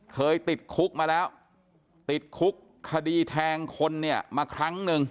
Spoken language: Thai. เคยติดคุกมาแล้วติดคุกคดีแทงคนเนี่ยมาครั้งหนึ่ง